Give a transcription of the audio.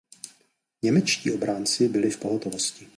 Němečtí obránci byli v pohotovosti.